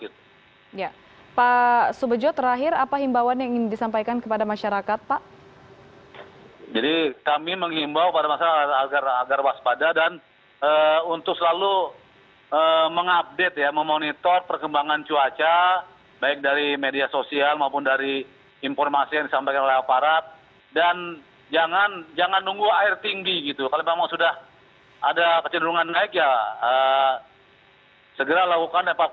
ya pak subedjo terakhir apa himbawan yang ingin disampaikan kepada masyarakat pak